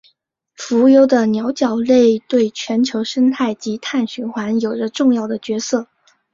浮游的桡脚类对全球生态及碳循环有着重要的角色。